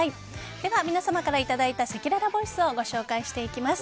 では皆様からいただいたせきららボイスをご紹介していきます。